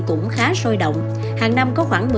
cũng khá sôi động hàng năm có khoảng